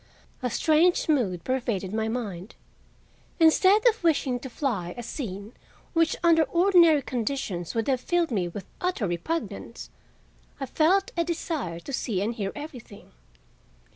A strange mood pervaded my mind. Instead of wishing to fly a scene which under ordinary conditions would have filled me with utter repugnance, I felt a desire to see and hear everything.